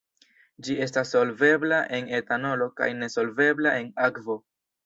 Ĝi estas solvebla en etanolo kaj ne solvebla en akvo.